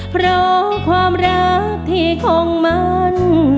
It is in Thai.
เพราะความรักที่คงมัน